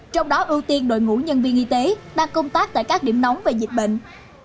trong đó ưu tiên đội ngũ nhân viên y tế đang công tác tại các điểm nóng về dịch bệnh